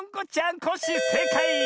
コッシーせいかい！